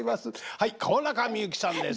はい川中美幸さんです。